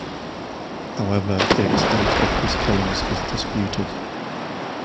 However, the extent of his killings is disputed.